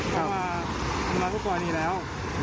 ก็มาถูกก่อนอีกแล้ว